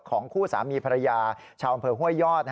คู่สามีภรรยาชาวอำเภอห้วยยอด